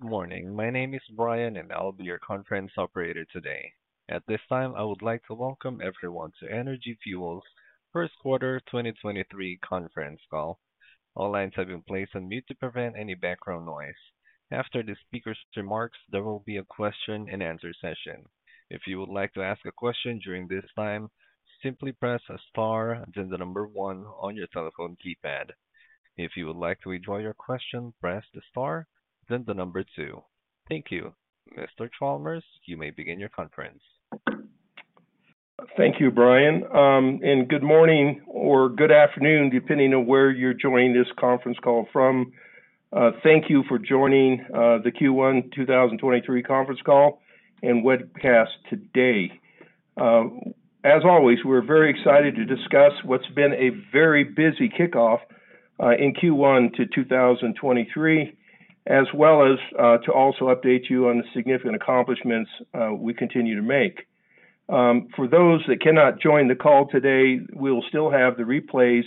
Good morning. My name is Brian. I'll be your conference operator today. At this time, I would like to welcome everyone to Energy Fuels' first quarter 2023 conference call. All lines have been placed on mute to prevent any background noise. After the speaker's remarks, there will be a question and answer session. If you would like to ask a question during this time, simply press star then the number one on your telephone keypad. If you would like to withdraw your question, press the star then the number two. Thank you. Mr. Chalmers, you may begin your conference. Thank you, Brian. Good morning or good afternoon, depending on where you're joining this conference call from. Thank you for joining the Q1 2023 conference call and webcast today. As always, we're very excited to discuss what's been a very busy kickoff in Q1 to 2023, as well as to also update you on the significant accomplishments we continue to make. For those that cannot join the call today, we'll still have the replays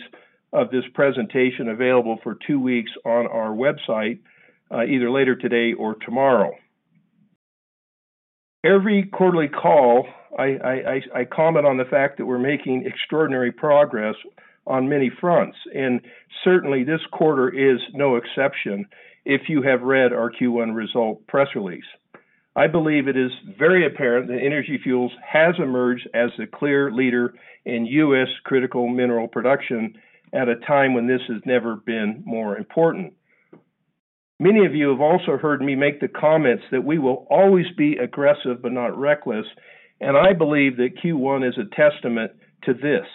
of this presentation available for 2 weeks on our website, either later today or tomorrow. Every quarterly call I comment on the fact that we're making extraordinary progress on many fronts, and certainly this quarter is no exception if you have read our Q1 result press release. I believe it is very apparent that Energy Fuels has emerged as the clear leader in U.S. critical mineral production at a time when this has never been more important. Many of you have also heard me make the comments that we will always be aggressive but not reckless. I believe that Q1 is a testament to this.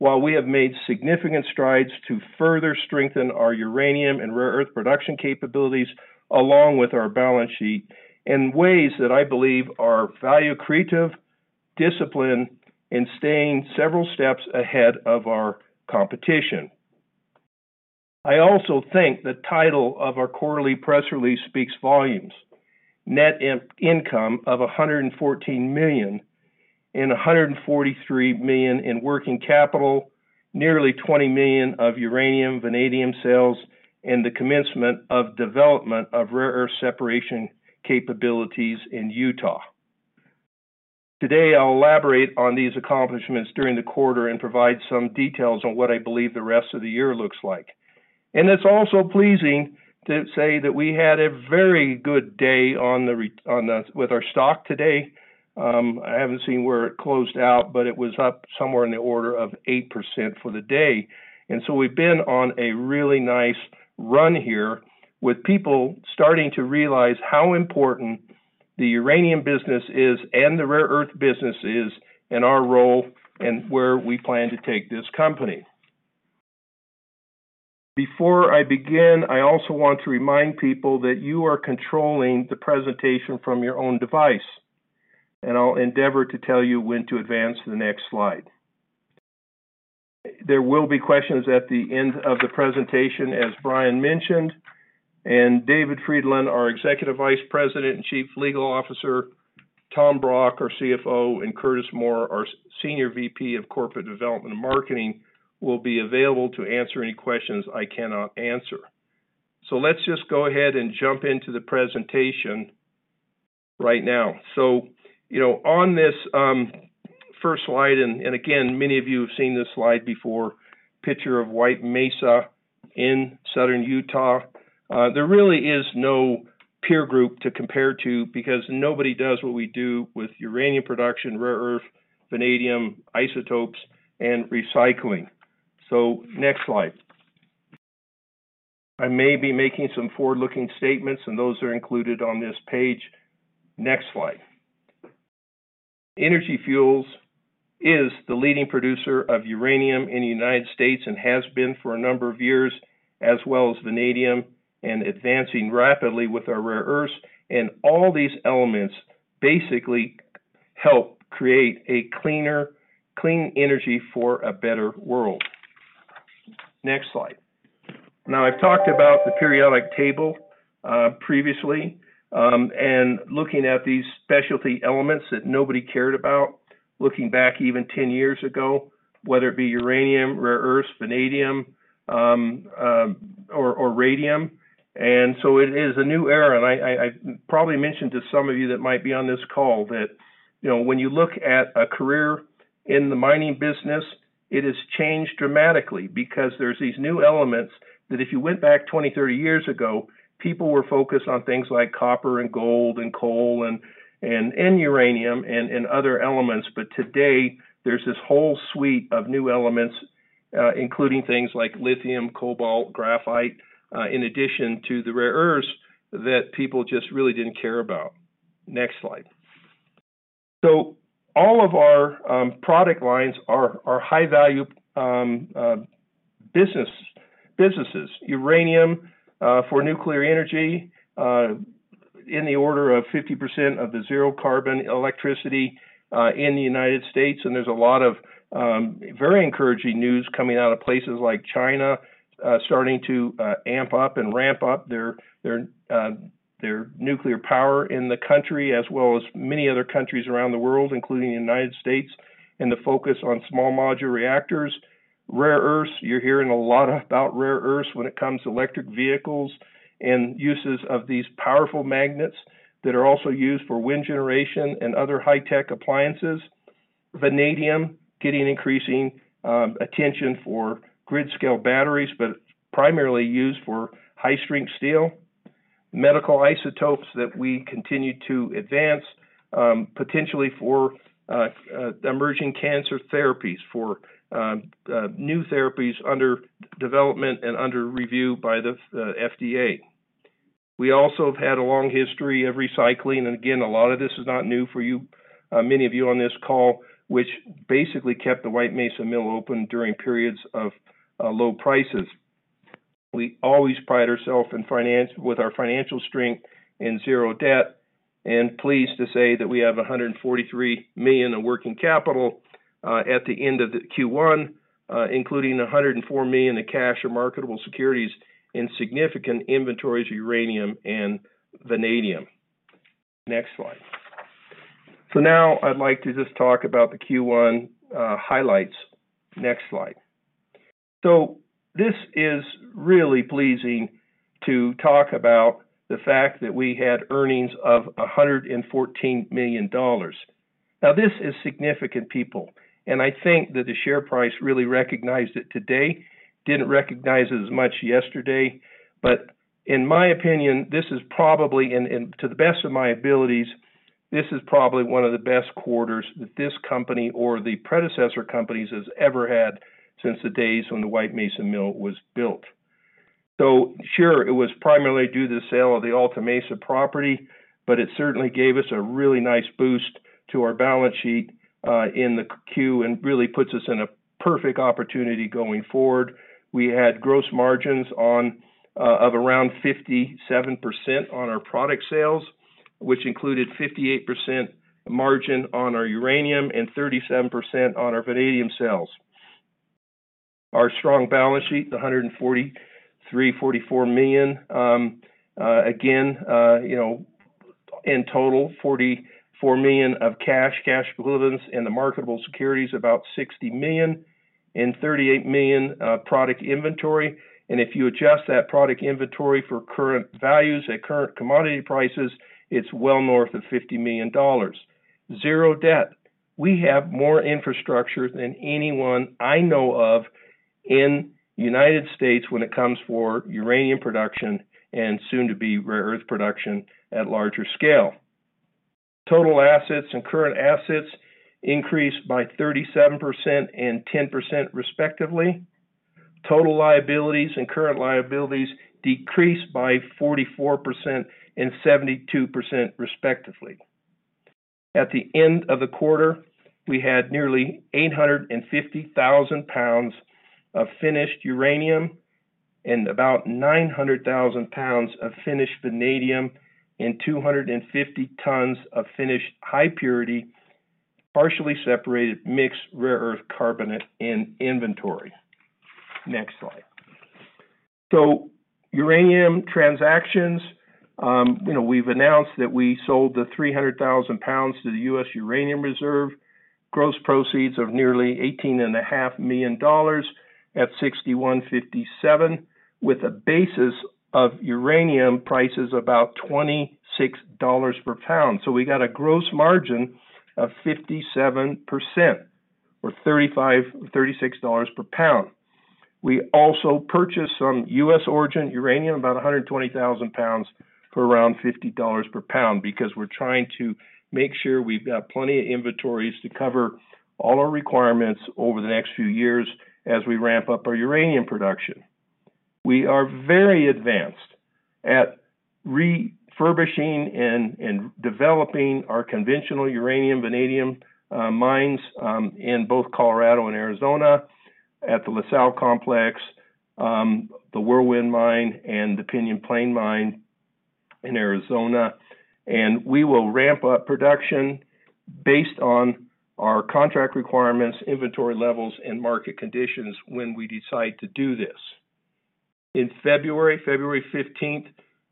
While we have made significant strides to further strengthen our uranium and Rare Earth production capabilities, along with our balance sheet in ways that I believe are value creative discipline in staying several steps ahead of our competition. I also think the title of our quarterly press release speaks volumes. Net income of $114 million and $143 million in working capital, nearly $20 million of uranium, vanadium sales, and the commencement of development of Rare Earth separation capabilities in Utah. Today, I'll elaborate on these accomplishments during the quarter and provide some details on what I believe the rest of the year looks like. It's also pleasing to say that we had a very good day with our stock today. I haven't seen where it closed out, but it was up somewhere in the order of 8% for the day. We've been on a really nice run here with people starting to realize how important the uranium business is and the Rare Earth business is, and our role in where we plan to take this company. Before I begin, I also want to remind people that you are controlling the presentation from your own device, and I'll endeavor to tell you when to advance to the next slide. There will be questions at the end of the presentation, as Brian mentioned, and David Frydenlund, our Executive Vice President and Chief Legal Officer, Tom Brock, our CFO, and Curtis Moore, our Senior VP of Corporate Development and Marketing, will be available to answer any questions I cannot answer. Let's just go ahead and jump into the presentation right now. You know, on this first slide, and again, many of you have seen this slide before, picture of White Mesa in southern Utah. There really is no peer group to compare to because nobody does what we do with uranium production, Rare Earth, vanadium, isotopes, and recycling. Next slide. I may be making some forward-looking statements, and those are included on this page. Next slide. Energy Fuels is the leading producer of uranium in the United States and has been for a number of years, as well as vanadium and advancing rapidly with our Rare Earths. All these elements basically help create clean energy for a better world. Next slide. Now, I've talked about the periodic table previously, and looking at these specialty elements that nobody cared about looking back even 10 years ago, whether it be uranium, Rare Earths, vanadium, or radium. It is a new era. I probably mentioned to some of you that might be on this call that, you know, when you look at a career in the mining business, it has changed dramatically because there's these new elements that if you went back 20, 30 years ago, people were focused on things like copper and gold and coal and uranium and other elements. Today there's this whole suite of new elements, including things like lithium, cobalt, graphite, in addition to the Rare Earths that people just really didn't care about. Next slide. All of our product lines are high value businesses. Uranium for nuclear energy in the order of 50% of the zero carbon electricity in the United States. There's a lot of very encouraging news coming out of places like China, starting to amp up and ramp up their nuclear power in the country, as well as many other countries around the world, including the United States, and the focus on small modular reactors. Rare Earths, you're hearing a lot about Rare Earths when it comes to electric vehicles and uses of these powerful magnets that are also used for wind generation and other high-tech appliances. Vanadium getting increasing attention for grid-scale batteries, but primarily used for high-strength steel. Medical isotopes that we continue to advance potentially for emerging cancer therapies, for new therapies under development and under review by the FDA. We also have had a long history of recycling, and again, a lot of this is not new for you, many of you on this call, which basically kept the White Mesa Mill open during periods of low prices. We always pride ourself in finance with our financial strength and zero debt, and pleased to say that we have $143 million in working capital at the end of the Q1, including $104 million in cash or marketable securities and significant inventories of uranium and vanadium. Next slide. Now I'd like to just talk about the Q1 highlights. Next slide. This is really pleasing to talk about the fact that we had earnings of $114 million. Now, this is significant people, and I think that the share price really recognized it today. Didn't recognize it as much yesterday. In my opinion, this is probably to the best of my abilities, this is probably one of the best quarters that this company or the predecessor companies has ever had since the days when the White Mesa Mill was built. Sure, it was primarily due to the sale of the Alta Mesa property, but it certainly gave us a really nice boost to our balance sheet, in the Q and really puts us in a perfect opportunity going forward. We had gross margins of around 57% on our product sales, which included 58% margin on our uranium and 37% on our vanadium sales. Our strong balance sheet, the $143.4 million, you know, in total $44 million of cash equivalents, and the marketable securities about $60 million, and $38 million product inventory. If you adjust that product inventory for current values at current commodity prices, it's well north of $50 million. Zero debt. We have more infrastructure than anyone I know of in United States when it comes for uranium production and soon to be Rare Earth production at larger scale. Total assets and current assets increased by 37% and 10% respectively. Total liabilities and current liabilities decreased by 44% and 72% respectively. At the end of the quarter, we had nearly 850,000 lbs of finished uranium and about 900,000 lbs of finished vanadium and 250 tons of finished high purity, partially separated mixed Rare Earth Carbonate in inventory. Next slide. Uranium transactions, you know, we've announced that we sold the 300,000 lbs to the U.S. Uranium Reserve. Gross proceeds of nearly $18.5 million at $61.57 with a basis of Uranium prices about $26 per pound. We got a gross margin of 57% or $35-$36 per pound. We also purchased some U.S. origin uranium, about 120,000 lbs for around $50 per pound because we're trying to make sure we've got plenty of inventories to cover all our requirements over the next few years as we ramp up our uranium production. We are very advanced at refurbishing and developing our conventional uranium, vanadium, mines, in both Colorado and Arizona at the La Sal complex, the Whirlwind Mine and the Pinyon Plain Mine in Arizona. We will ramp up production based on our contract requirements, inventory levels, and market conditions when we decide to do this. In February 15th,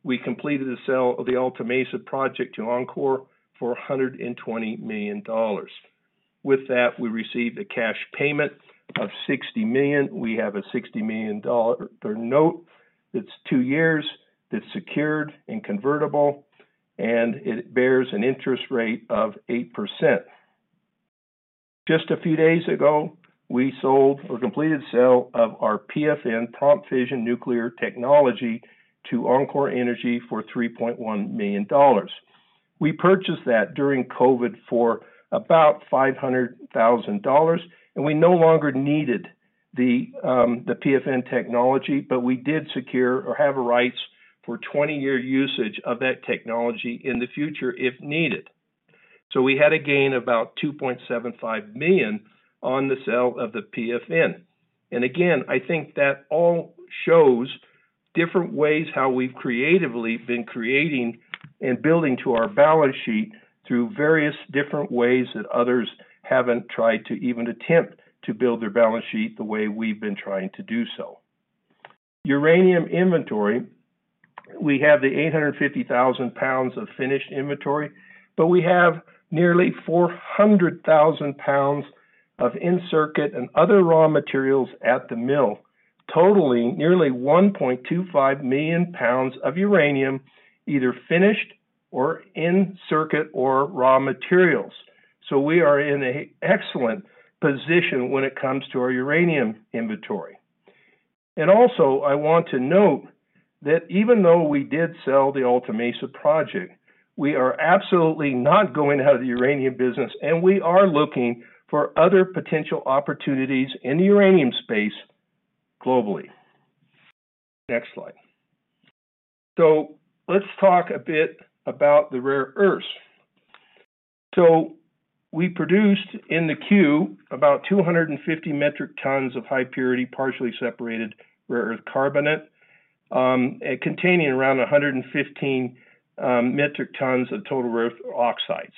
we completed the sale of the Alta Mesa project to enCore for $120 million. With that, we received a cash payment of $60 million. We have a $60 million note that's two years, that's secured and convertible, and it bears an interest rate of 8%. Just a few days ago, we sold or completed sale of our PFN, Prompt Fission Neutron technology to enCore Energy for $3.1 million. We purchased that during COVID for about $500,000, and we no longer needed the PFN technology, but we did secure or have rights for 20-year usage of that technology in the future if needed. We had a gain of about $2.75 million on the sale of the PFN. I think that all shows different ways how we've creatively been creating and building to our balance sheet through various different ways that others haven't tried to even attempt to build their balance sheet the way we've been trying to do so. Uranium inventory, we have the 850,000 lbs of finished inventory, but we have nearly 400,000 lbs of in-circuit and other raw materials at the mill, totaling nearly 1.25 million lbs of uranium, either finished or in-circuit or raw materials. We are in a excellent position when it comes to our uranium inventory. Also, I want to note that even though we did sell the Alta Mesa project, we are absolutely not going out of the uranium business, and we are looking for other potential opportunities in the uranium space globally. Next slide. Let's talk a bit about the Rare Earths. We produced in the Q about 250 metric tons of high purity, partially separated Rare Earth Carbonate, containing around 115 metric tons of total rare earth oxides.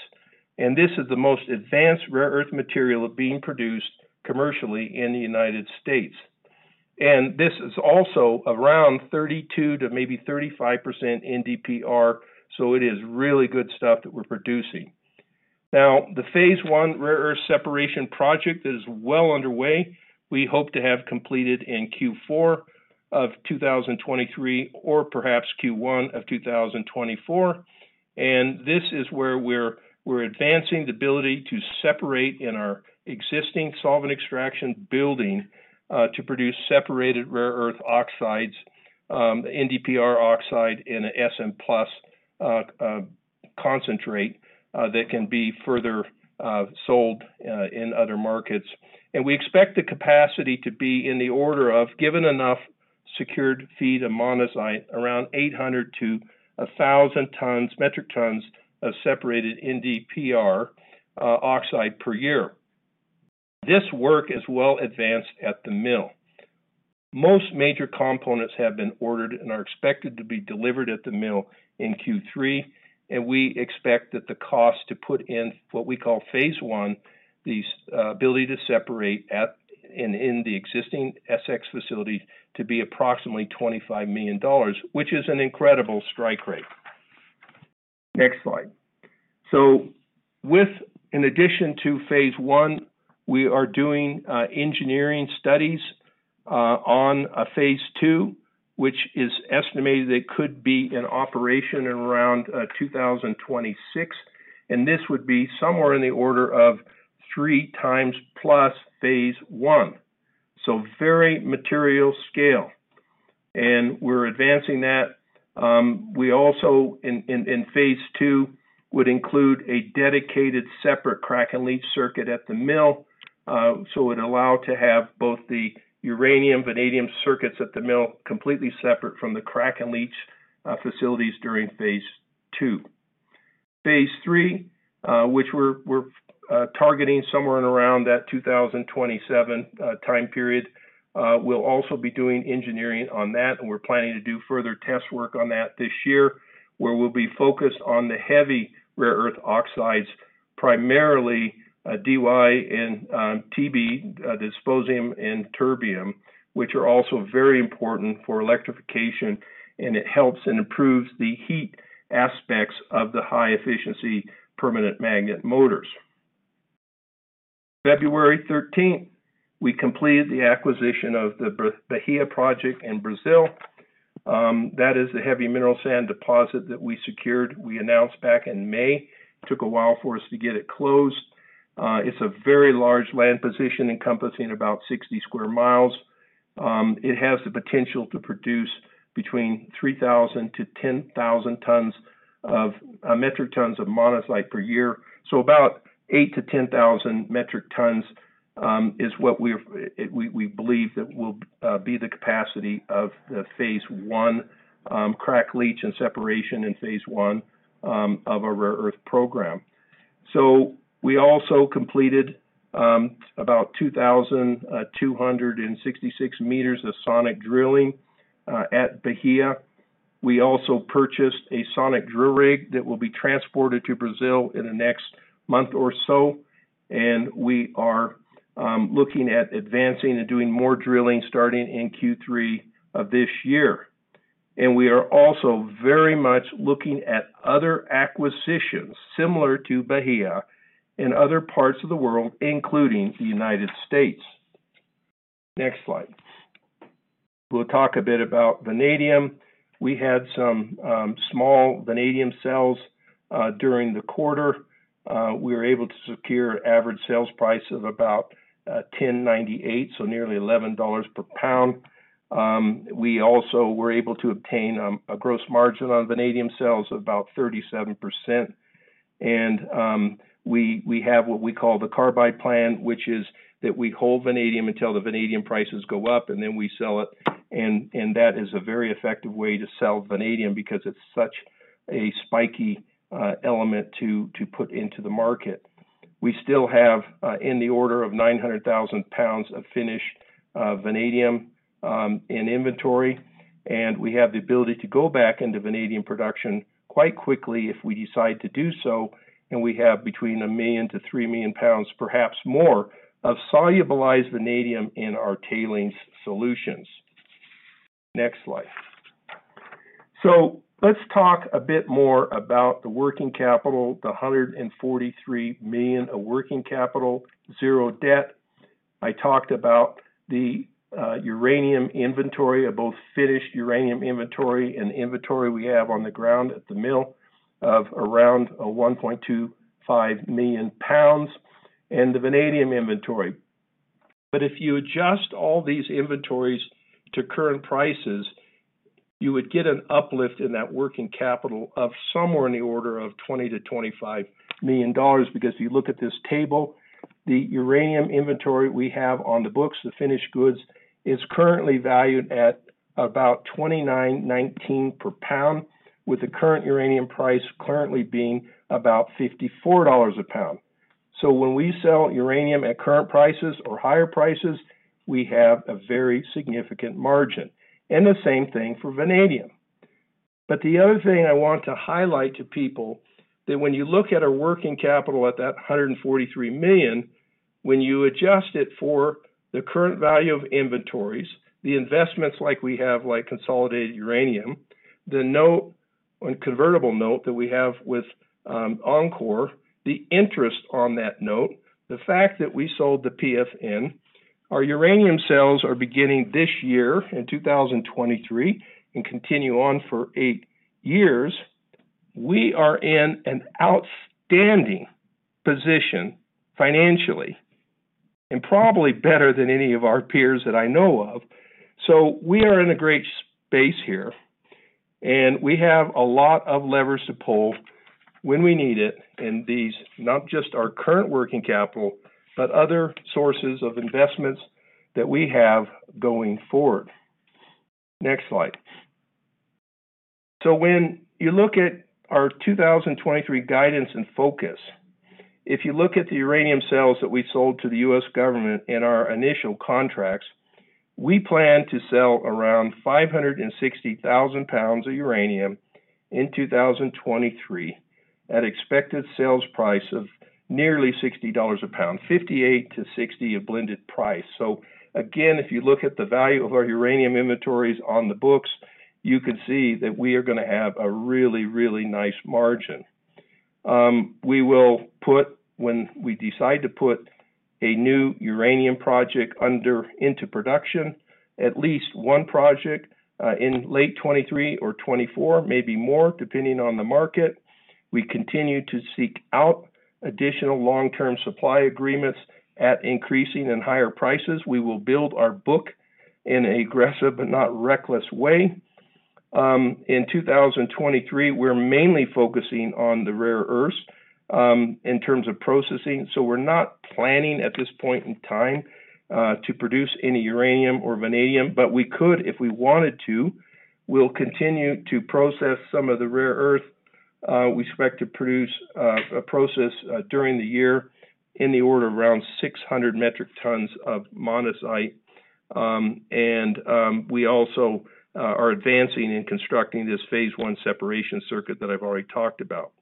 This is the most advanced Rare Earth material being produced commercially in the United States. This is also around 32%-35% NdPr, it is really good stuff that we're producing. The phase 1 rare earth separation project is well underway. We hope to have completed in Q4 of 2023 or perhaps Q1 of 2024. This is where we're advancing the ability to separate in our existing solvent extraction building to produce separated rare earth oxides, NdPr oxide and a Sm+ concentrate that can be further sold in other markets. We expect the capacity to be in the order of given enough secured feed and monazite around 800 to 1,000 metric tons of separated NdPr oxide per year. This work is well advanced at the Mill. Most major components have been ordered and are expected to be delivered at the Mill in Q3. We expect that the cost to put in what we call Phase 1, this ability to separate at and in the existing SX facilities to be approximately $25 million, which is an incredible strike rate. Next slide. With... in addition to Phase 1, we are doing engineering studies on a Phase 2, which is estimated it could be in operation in around 2026, and this would be somewhere in the order of 3x plus Phase 1. Very material scale. We're advancing that. We also in Phase 2 would include a dedicated separate crack and leach circuit at the Mill. It allow to have both the uranium, vanadium circuits at the Mill completely separate from the crack and leach facilities during Phase 2. Phase 3, which we're targeting somewhere in around that 2027 time period. We'll also be doing engineering on that, and we're planning to do further test work on that this year, where we'll be focused on the heavy rare earth oxides, primarily Dy and Tb, dysprosium and terbium, which are also very important for electrification, and it helps and improves the heat aspects of the high efficiency permanent magnet motors. February 13th, we completed the acquisition of the Bahia Project in Brazil. That is the heavy mineral sands deposit that we secured. We announced back in May. Took a while for us to get it closed. It's a very large land position encompassing about 60 sq mi. It has the potential to produce between 3,000 to 10,000 metric tons of monazite per year. About 8,000-10,000 metric tons is what we believe that will be the capacity of the Phase 1 crack, leach and separation in Phase 1 of our Rare Earth program. We also completed about 2,266 meters of sonic drilling at Bahia. We also purchased a sonic drill rig that will be transported to Brazil in the next month or so. We are looking at advancing and doing more drilling starting in Q3 of this year. We are also very much looking at other acquisitions similar to Bahia in other parts of the world, including the United States. Next slide. We'll talk a bit about vanadium. We had some small vanadium sales during the quarter. We were able to secure average sales price of about $10.98, so nearly $11 per pound. We also were able to obtain a gross margin on the vanadium sales of about 37%. We have what we call the carry plan, which is that we hold vanadium until the vanadium prices go up, and then we sell it. That is a very effective way to sell vanadium because it's such a spiky element to put into the market. We still have in the order of 900,000 lbs of finished vanadium in inventory. We have the ability to go back into vanadium production quite quickly if we decide to do so, and we have between 1 million lbs to 3 million lbs, perhaps more, of solubilized vanadium in our tailings solutions. Next slide. Let's talk a bit more about the working capital, the $143 million of working capital, zero debt. I talked about the uranium inventory of both finished uranium inventory and inventory we have on the ground at the Mill of around 1.25 million lbs and the vanadium inventory. If you adjust all these inventories to current prices, you would get an uplift in that working capital of somewhere in the order of $20 million-$25 million because if you look at this table, the uranium inventory we have on the books, the finished goods, is currently valued at about $29.19 per pound, with the current Uranium price currently being about $54 a pound. When we sell uranium at current prices or higher prices, we have a very significant margin. The same thing for vanadium. The other thing I want to highlight to people that when you look at our working capital at that $143 million, when you adjust it for the current value of inventories, the investments like we have, like Consolidated Uranium, the note on convertible note that we have with enCore, the interest on that note, the fact that we sold the PFN, our uranium sales are beginning this year in 2023 and continue on for 8 years. We are in an outstanding position financially and probably better than any of our peers that I know of. We are in a great space here, and we have a lot of levers to pull when we need it. These not just our current working capital, but other sources of investments that we have going forward. Next slide. When you look at our 2023 guidance and focus, if you look at the uranium sales that we sold to the U.S. government in our initial contracts, we plan to sell around 560,000 lbs of uranium in 2023 at expected sales price of nearly $60 a pound, $58-$60 a blended price. Again, if you look at the value of our uranium inventories on the books, you can see that we are gonna have a really nice margin. When we decide to put a new Uranium Project under into production, at least one project, in late 2023 or 2024, maybe more depending on the market. We continue to seek out additional long-term supply agreements at increasing and higher prices. We will build our book in an aggressive but not reckless way. In 2023, we're mainly focusing on the Rare Earths in terms of processing. We're not planning at this point in time to produce any uranium or vanadium, but we could if we wanted to. We'll continue to process some of the Rare Earth. We expect to produce a process during the year in the order of around 600 metric tons of monazite. We also are advancing in constructing this Phase 1 separation circuit that I've already talked about.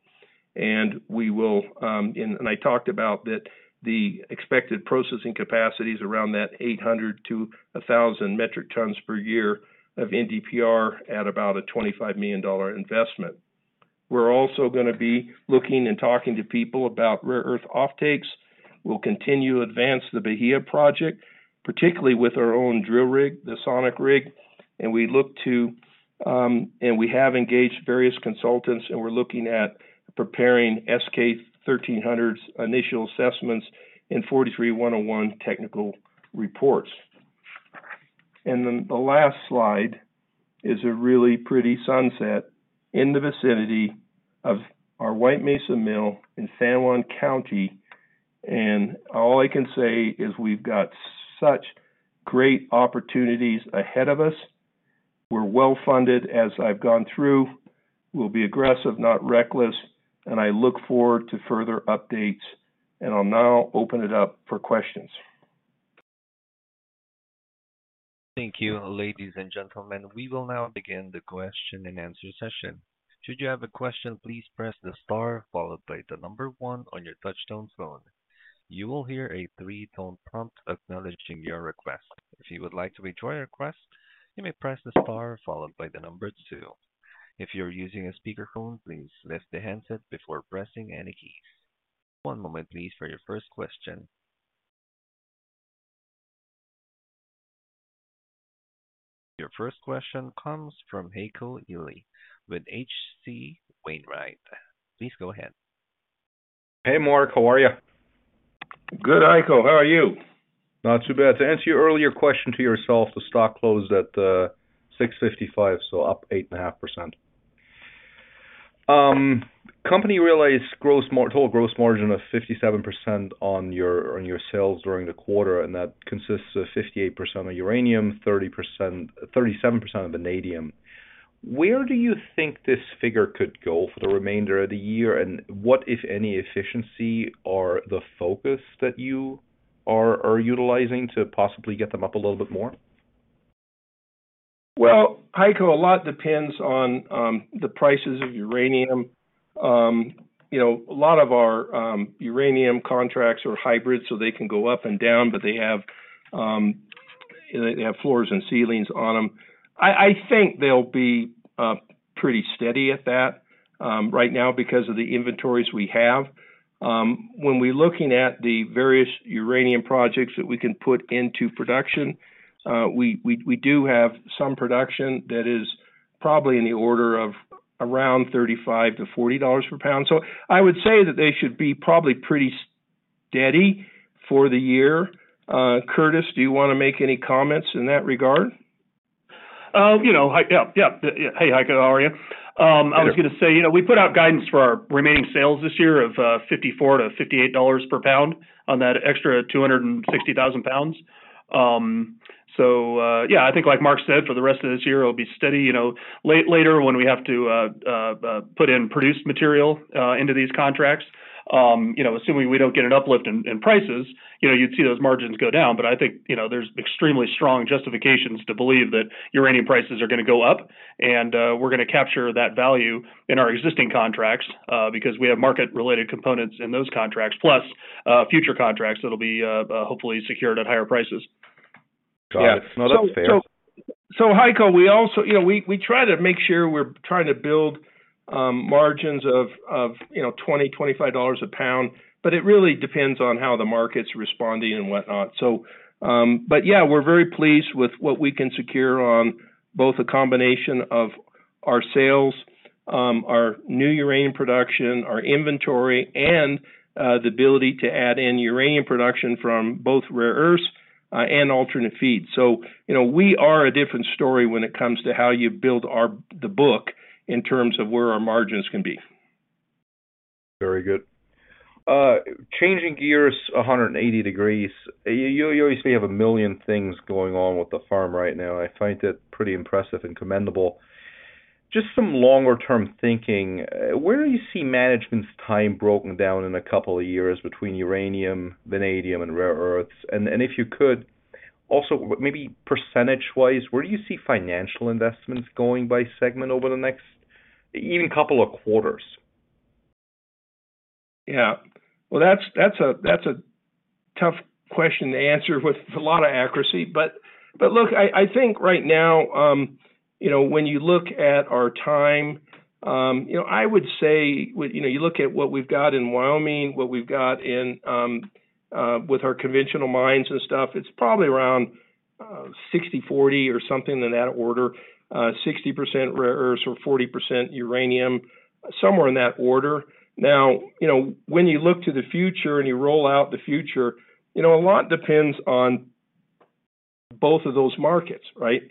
We will. And I talked about that the expected processing capacity is around that 800-1,000 metric tons per year of NdPr at about a $25 million investment. We're also gonna be looking and talking to people about Rare Earth offtakes. We'll continue to advance the Bahia Project, particularly with our own drill rig, the Sonic rig. We look to, and we have engaged various consultants, and we're looking at preparing S-K 1300's initial assessments and NI 43-101 technical reports. The last slide is a really pretty sunset in the vicinity of our White Mesa Mill in San Juan County. All I can say is we've got such great opportunities ahead of us. We're well-funded, as I've gone through. We'll be aggressive, not reckless, and I look forward to further updates. I'll now open it up for questions. Thank you, ladies and gentlemen. We will now begin the question and answer session. Should you have a question, please press the star followed by the number one on your touchtone phone. You will hear a 3-tone prompt acknowledging your request. If you would like to withdraw your request, you may press the star followed by the number two. If you're using a speakerphone, please lift the handset before pressing any keys. One moment please for your first question. Your first question comes from Heiko Ihle with H.C. Wainwright. Please go ahead. Hey, Mark, how are you? Good, Heiko. How are you? Not too bad. To answer your earlier question to yourself, the stock closed at $6.55, up 8.5%. Company realized total gross margin of 57% on your, on your sales during the quarter, and that consists of 58% of uranium, 37% of vanadium. Where do you think this figure could go for the remainder of the year, and what, if any, efficiency are the focus that you are utilizing to possibly get them up a little bit more? Heiko, a lot depends on the prices of uranium. You know, a lot of our uranium contracts are hybrid, so they can go up and down, but they have floors and ceilings on them. I think they'll be pretty steady at that right now because of the inventories we have. When we're looking at the various Uranium Projects that we can put into production, we do have some production that is probably in the order of around $35-$40 per pound. I would say that they should be probably pretty steady for the year. Curtis, do you wanna make any comments in that regard? You know, Heiko. Yeah, yeah. Hey, Heiko. How are you? Good. I was gonna say, you know, we put out guidance for our remaining sales this year of $54-$58 per pound on that extra 260,000 lbs. Yeah, I think like Mark said, for the rest of this year, it'll be steady. You know, later, when we have to put in produced material into these contracts, you know, assuming we don't get an uplift in prices, you know, you'd see those margins go down. I think, you know, there's extremely strong justifications to believe that Uranium prices are gonna go up, and we're gonna capture that value in our existing contracts, because we have market related components in those contracts, plus future contracts that'll be hopefully secured at higher prices. Got it. No, that's fair. Heiko, we also, you know, we try to make sure we're trying to build margins of, you know, $20-$25 a pound, but it really depends on how the market's responding and whatnot. But yeah, we're very pleased with what we can secure on both the combination of our sales, our new uranium production, our inventory, and the ability to add in uranium production from both Rare Earths and Alternate Feeds. You know, we are a different story when it comes to how you build the book in terms of where our margins can be. Very good. Changing gears 180 degrees, you obviously have 1 million things going on with the farm right now. I find it pretty impressive and commendable. Just some longer-term thinking, where do you see management's time broken down in a couple of years between uranium, vanadium and Rare Earths? If you could, also maybe percentage-wise, where do you see financial investments going by segment over the next even couple of quarters? Yeah. Well, that's a, that's a tough question to answer with a lot of accuracy. Look, I think right now, you know, when you look at our time, you know, you look at what we've got in Wyoming, what we've got in, with our conventional mines and stuff, it's probably around 60/40 or something in that order. 60% Rare Earths or 40% uranium, somewhere in that order. You know, when you look to the future and you roll out the future, you know, a lot depends on both of those markets, right?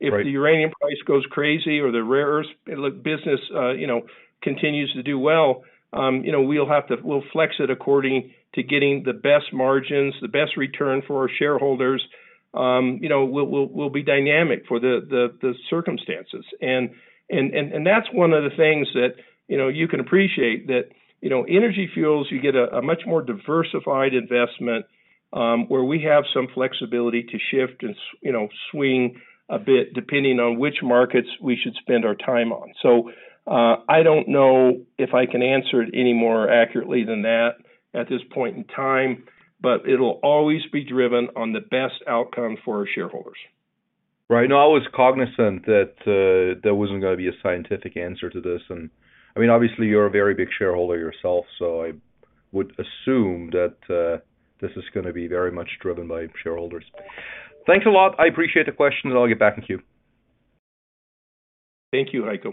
Right. If the Uranium price goes crazy or the Rare Earth, like, business, you know, continues to do well, you know, we'll flex it according to getting the best margins, the best return for our shareholders. You know, we'll be dynamic for the circumstances. That's one of the things that, you know, you can appreciate that, you know, Energy Fuels, you get a much more diversified investment, where we have some flexibility to shift and swing a bit depending on which markets we should spend our time on. I don't know if I can answer it any more accurately than that at this point in time, but it'll always be driven on the best outcome for our shareholders. Right. No, I was cognizant that, there wasn't gonna be a scientific answer to this. I mean, obviously you're a very big shareholder yourself, so I would assume that, this is gonna be very much driven by shareholders. Thanks a lot. I appreciate the question, and I'll get back with you. Thank you, Heiko.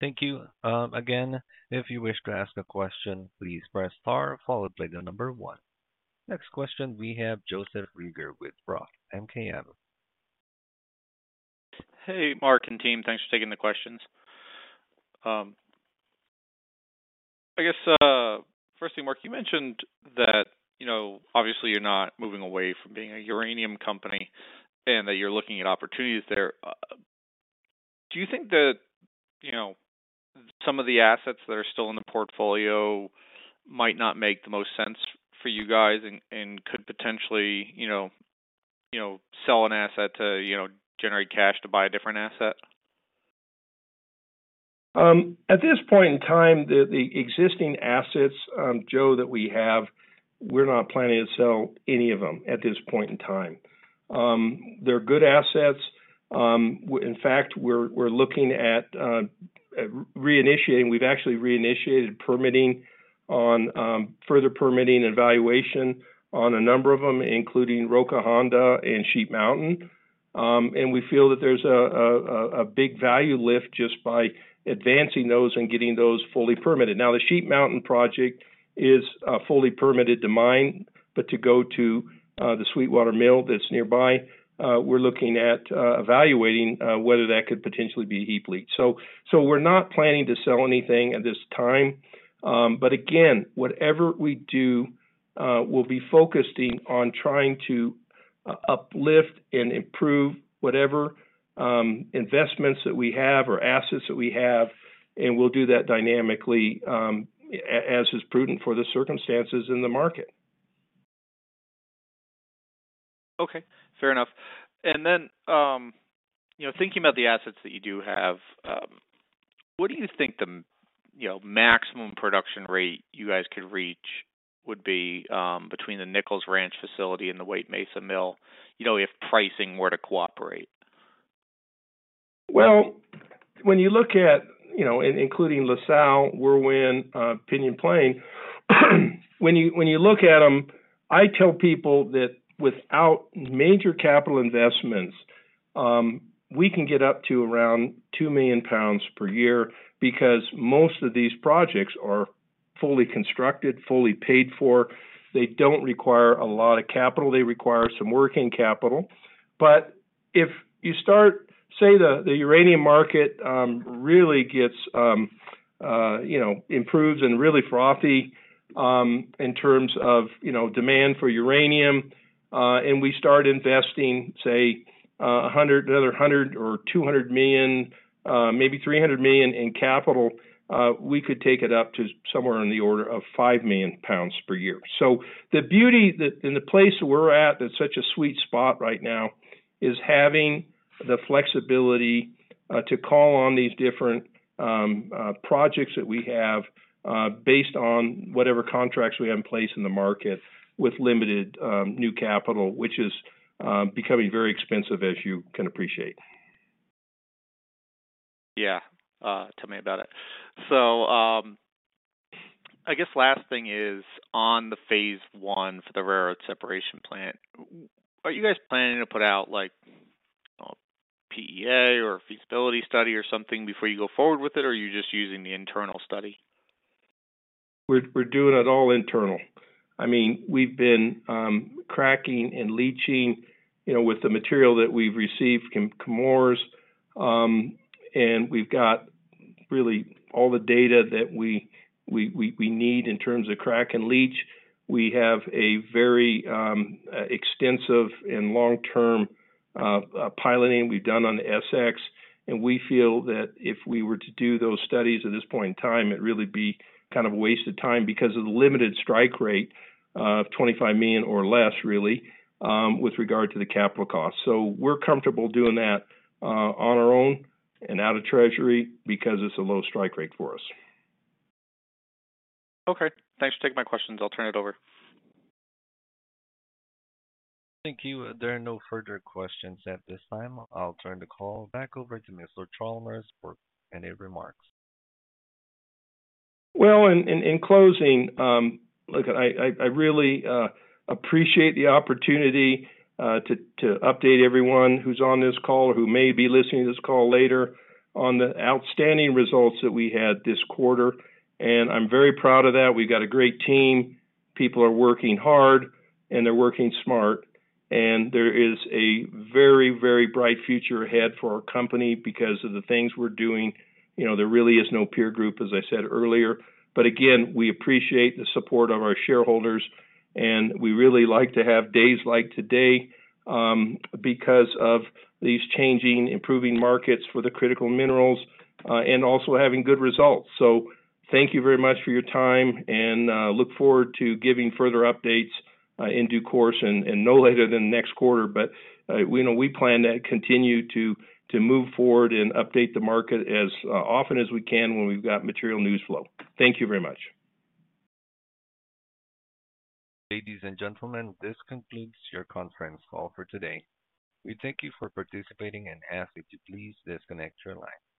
Thank you. Again, if you wish to ask a question, please press star followed by the number one. Next question, we have Joseph Reagor with ROTH MKM. Hey, Mark and team. Thanks for taking the questions. I guess, firstly, Mark, you mentioned that, you know, obviously you're not moving away from being a uranium company and that you're looking at opportunities there. Do you think that, you know, some of the assets that are still in the portfolio might not make the most sense for you guys and could potentially, you know, sell an asset to, you know, generate cash to buy a different asset? At this point in time, the existing assets, Joe, that we have, we're not planning to sell any of them at this point in time. They're good assets. In fact, we're looking at reinitiating. We've actually reinitiated permitting on further permitting and valuation on a number of them, including Roca Honda and Sheep Mountain. We feel that there's a big value lift just by advancing those and getting those fully permitted. Now, the Sheep Mountain Project is fully permitted to mine, but to go to the Sweetwater Mill that's nearby, we're looking at evaluating whether that could potentially be a heap leach. We're not planning to sell anything at this time. Again, whatever we do, we'll be focusing on trying to uplift and improve whatever investments that we have or assets that we have, and we'll do that dynamically, as is prudent for the circumstances in the market. Okay. Fair enough. You know, thinking about the assets that you do have, what do you think the, you know, maximum production rate you guys could reach would be, between the Nichols Ranch facility and the White Mesa Mill, you know, if pricing were to cooperate? When you look at, you know, including La Sal, Whirlwind, Pinyon Plain, when you look at them, I tell people that without major capital investments, we can get up to around 2 million lbs per year because most of these projects are fully constructed, fully paid for. They don't require a lot of capital. They require some working capital. If you start. Say the uranium market really gets, you know, improves and really frothy, in terms of, you know, demand for uranium, we start investing, say, $100 million, another $100 million or $200 million, maybe $300 million in capital, we could take it up to somewhere in the order of 5 million lbs per year. The beauty in the place we're at that's such a sweet spot right now is having the flexibility to call on these different projects that we have based on whatever contracts we have in place in the market with limited new capital, which is becoming very expensive, as you can appreciate. Yeah. tell me about it. I guess last thing is on the Phase 1 for the Rare Earth separation plant, are you guys planning to put out like, PEA or feasibility study or something before you go forward with it, or are you just using the internal study? We're doing it all internal. I mean, we've been cracking and leaching, you know, with the material that we've received from Chemours, and we've got really all the data that we need in terms of crack and leach. We have a very extensive and long-term piloting we've done on the SX. We feel that if we were to do those studies at this point in time, it'd really be kind of a waste of time because of the limited strike rate of $25 million or less really, with regard to the capital cost. We're comfortable doing that on our own and out of treasury because it's a low strike rate for us. Okay. Thanks for taking my questions. I'll turn it over. Thank you. There are no further questions at this time. I'll turn the call back over to Mr. Chalmers for any remarks. Well, in closing, look, I really appreciate the opportunity to update everyone who's on this call or who may be listening to this call later on the outstanding results that we had this quarter. I'm very proud of that. We've got a great team. People are working hard, and they're working smart. There is a very bright future ahead for our company because of the things we're doing. You know, there really is no peer group, as I said earlier. Again, we appreciate the support of our shareholders, and we really like to have days like today because of these changing, improving markets for the critical minerals, and also having good results. Thank you very much for your time, and, look forward to giving further updates, in due course and no later than next quarter. You know, we plan to continue to move forward and update the market as often as we can when we've got material news flow. Thank you very much. Ladies and gentlemen, this concludes your conference call for today. We thank you for participating and ask that you please disconnect your line.